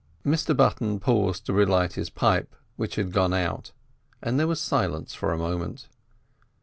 Mr Button paused to relight his pipe, which had gone out, and there was silence for a moment.